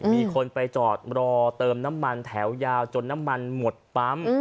มีคนไปจอดรอเติมน้ำมันแถวยาวจนน้ำมันหมดปั๊ม